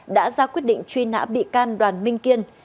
đã ra quyết định truy nã bị can đoàn minh kiên